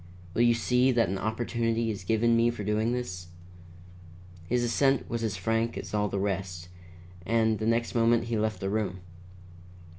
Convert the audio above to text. Will you see that an opportunity is given me for doing this?" His assent was as frank as all the rest, and the next moment he left the room.